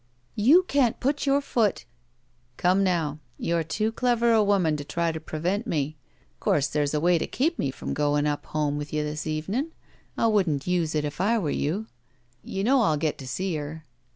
"You can't put your foot —" "Come now. You're too clever a woman to try to prevent me. Course there's a way to keep me from goin' up home with you this evenin'. I wouldn't use it, if I were you. You know I'll get to see her.